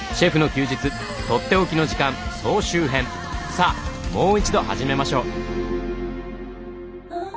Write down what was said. さあもう一度始めましょう。